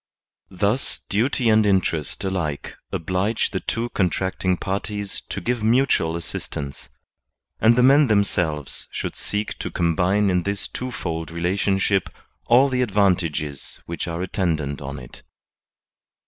Thus duty and interest alike oblige the two contracting parties to give mutual assistance; and the men themselves should seek to com bine in this twofold relationship all the advantages which are attendant on it.